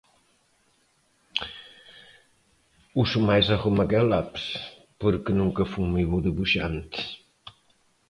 Uso máis a goma que o lapis porque nunca fun moi bo debuxante.